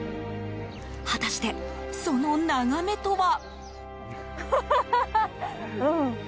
果たして、その眺めとは。